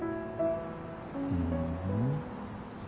ふん。